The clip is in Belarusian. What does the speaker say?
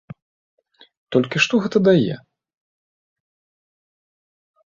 Толькі што гэта дае?